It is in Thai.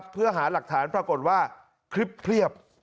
เพื่อหาหลักฐานปรากฏว่าคลิปเพียบ